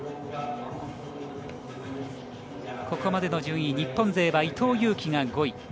ここまでの順位、日本勢は伊藤有希が５位。